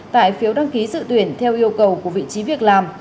tại phiếu đăng ký dự tuyển theo yêu cầu của vị trí việc làm